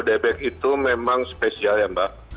bebek itu memang spesial ya mbak